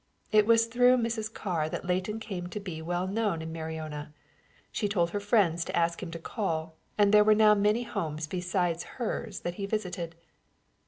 It was through Mrs. Carr that Leighton came to be well known in Mariona; she told her friends to ask him to call, and there were now many homes besides hers that he visited.